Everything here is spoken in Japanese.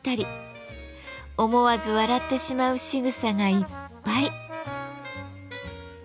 思わず笑ってしまうしぐさがいっぱい。